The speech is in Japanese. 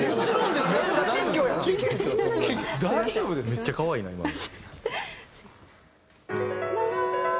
めっちゃ可愛いな今の。